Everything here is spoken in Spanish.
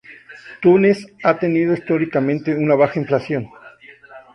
Túnez ha tenido históricamente una baja inflación.